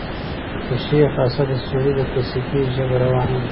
د شېخ اسعد سوري د قصيدې ژبه روانه ده.